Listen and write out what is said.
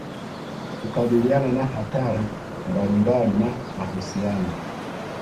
Kukabiliana na hatari mbalimbali na mahusiano